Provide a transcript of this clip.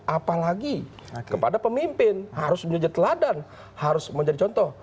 apalagi kepada pemimpin harus menyejati ladan harus menjadi contoh